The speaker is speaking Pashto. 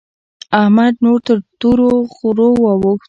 احمد نور تر تورو غرو واوښت.